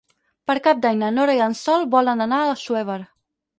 Per Cap d'Any na Nora i en Sol volen anar a Assuévar.